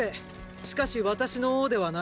しかし私の王ではない。